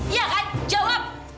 iya kan jawab